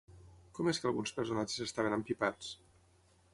Com és que alguns personatges estaven empipats?